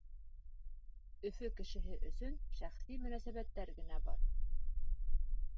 Өфө кешеһе өсөн шәхси мөнәсәбәттәр генә бар.